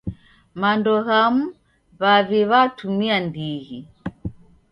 Mando ghamu w'avi w'atumia ndighi.